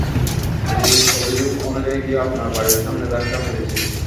অভিযোগ অনুযায়ী কেউ আপনার বাড়ির সামনে ধাক্কা মেরেছে।